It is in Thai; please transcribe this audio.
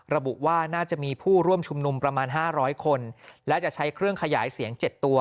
ระบุว่าน่าจะมีผู้ร่วมชุมนุมประมาณ๕๐๐คนและจะใช้เครื่องขยายเสียง๗ตัว